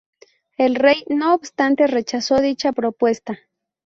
El rey, no obstante, rechazó dicha propuesta.